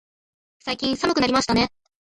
最近寒くなりましたね。